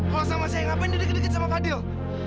kalau sama saya ngapain dia deket deket sama fadil